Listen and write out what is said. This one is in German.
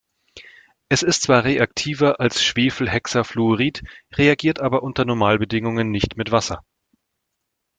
Es ist zwar reaktiver als Schwefelhexafluorid, reagiert aber unter Normalbedingungen nicht mit Wasser.